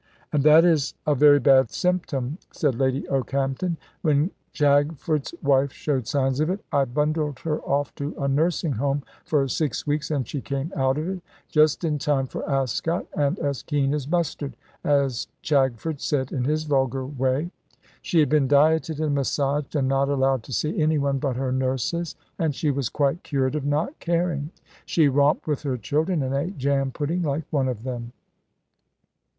"And that is a very bad symptom," said Lady Okehampton. "When Chagford's wife showed signs of it, I bundled her off to a nursing home for six weeks, and she came out of it just in time for Ascot, and as keen as mustard, as Chagford said in his vulgar way. She had been dieted, and massaged, and not allowed to see anyone but her nurses; and she was quite cured of not caring. She romped with her children, and ate jam pudding like one of them."